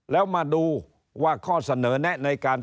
แล้วมาดูว่าข้อเสนอแนะในการ